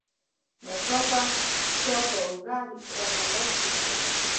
ناڅاپه چا په اوږه راته لاس کېښود.